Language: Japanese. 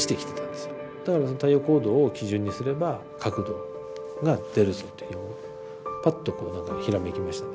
太陽高度を基準にすれば角度が出るぞというぱっとこう何かひらめきました。